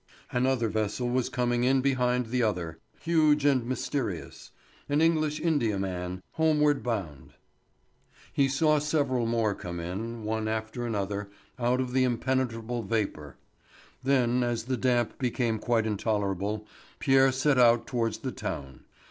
Another vessel was coming in behind the other, huge and mysterious. An English India man, homeward bound. He saw several more come in, one after another, out of the impenetrable vapour. Then, as the damp became quite intolerable, Pierre set out towards the town.